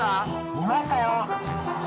いましたよ。